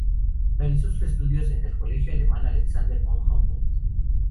Realizó sus estudios en el Colegio Alemán Alexander von Humboldt.